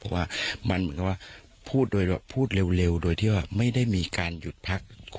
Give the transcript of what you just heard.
เพราะว่ามันเหมือนกับว่าพูดโดยพูดเร็วโดยที่ว่าไม่ได้มีการหยุดพัก